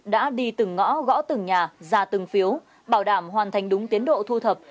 đã đi từng ngõ gõ từng nhà ra từng phiếu bảo đảm hoàn thành đúng tiến độ thu thập